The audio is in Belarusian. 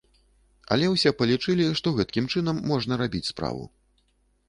Але ўсе палічылі, што гэткім чынам можна рабіць справу.